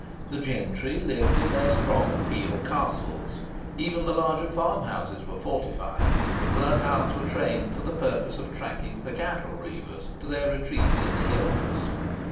The gentry lived in their strong Peel castles; even the larger farm houses were fortified; and bloodhounds were trained for the purpose of tracking the cattle reavers to their retreats in the hills.